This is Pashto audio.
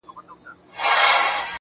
ستا د رخسار خبري ډيري ښې دي.